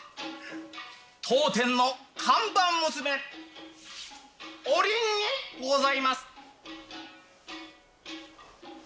当店の看板娘おりんにございます。